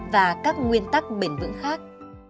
và các nguyên tắc bền vững khác